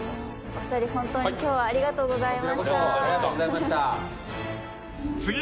お二人本当に今日はありがとうございました！